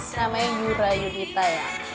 namanya yura yunita ya